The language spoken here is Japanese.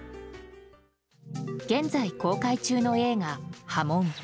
現在公開中の映画「波紋」。